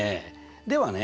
ではね